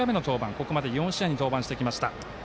ここまで４試合に登板してきました。